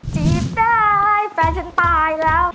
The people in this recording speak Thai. จีบได้แฟนฉันตายแล้ว